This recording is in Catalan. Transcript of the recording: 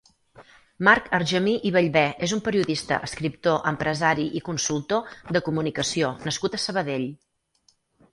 Marc Argemí i Ballbè és un periodista, escriptor, empresari i consultor de comunicació nascut a Sabadell.